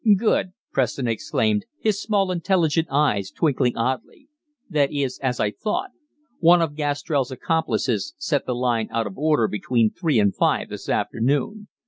"Good!" Preston exclaimed, his small, intelligent eyes twinkling oddly. "That is as I thought. One of Gastrell's accomplices set the line out of order between three and five this afternoon.